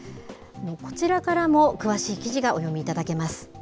こちらからも詳しい記事がお読みいただけます。